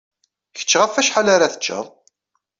Kečč ɣef wacḥal ara teččeḍ?